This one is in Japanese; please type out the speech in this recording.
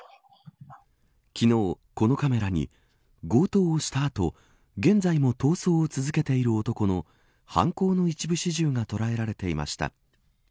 昨日、このカメラに強盗をした後現在も逃走を続けている男の犯行の一部始終が捉えられていました。